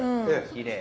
きれい。